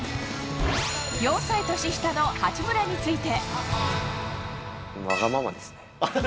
４歳年下の八村について。